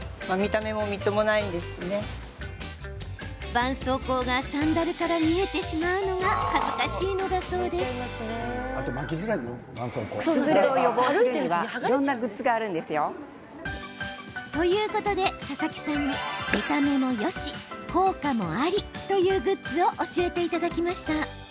ばんそうこうがサンダルから見えてしまうのが恥ずかしいのだそうです。ということで、佐々木さんに見た目もよし、効果もありという予防グッズを教えていただきました。